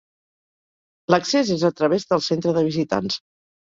L'accés és a través del centre de visitants.